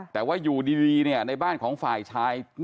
แต่ว่าอยู่ดีเนี่ยในบ้านของฝ่ายชาย